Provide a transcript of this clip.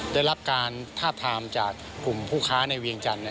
ได้รับการทาบทามจากกลุ่มผู้ค้าในเวียงจันทร์